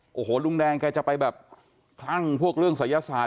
โหโหลุงแดงไก่จะไปแบบท่างพวกเรื่องศัยสาธารณ์